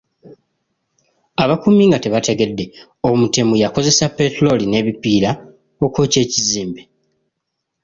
Abakuumi nga tebategedde, omutemu yakozesa petulooli n'ebipiira okwokya ekizimbe.